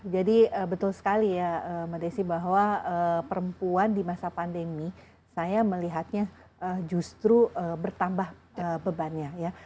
jadi betul sekali ya madesi bahwa perempuan di masa pandemi saya melihatnya justru bertambah bebannya